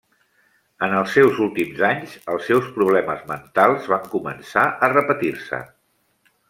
En els seus últims anys, els seus problemes mentals van començar a repetir-se.